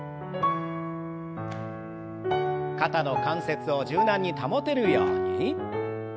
肩の関節を柔軟に保てるように。